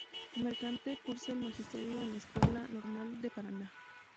Mercante cursa el magisterio en la Escuela Normal de Paraná.